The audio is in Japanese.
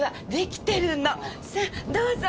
さあどうぞ！